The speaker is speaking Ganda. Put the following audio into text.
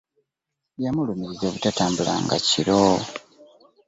Yamulumiriza obutatambula nga kiro.